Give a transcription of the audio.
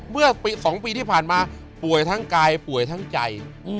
เมื่อ๒ปีที่ผ่านมาป่วยทั้งกายป่วยทั้งใจ